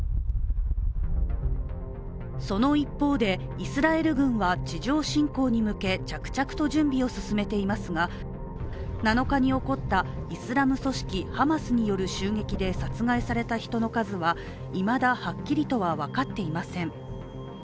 その一方で、イスラエル軍は地上侵攻に向け着々と準備を進めていますが７日に起こったイスラム組織ハマスによる襲撃で殺害された人の数はいまだ、はっきりとは分かっていません。